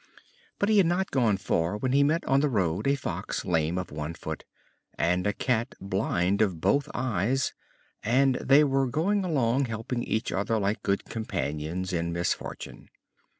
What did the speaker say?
But he had not gone far when he met on the road a Fox lame of one foot, and a Cat blind of both eyes, and they were going along helping each other like good companions in misfortune.